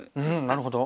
なるほど。